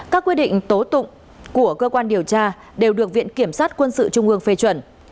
các quyết định tố tụng của cơ quan điều tra đều được viện kiểm sát quân sự trung ương phê chuẩn